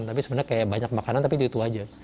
tapi sebenarnya banyak makanan tapi itu saja